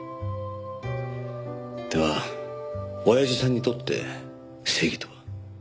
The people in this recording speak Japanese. ではおやじさんにとって正義とは？